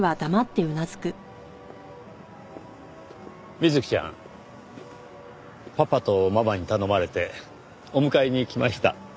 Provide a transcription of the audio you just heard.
美月ちゃんパパとママに頼まれてお迎えに来ました。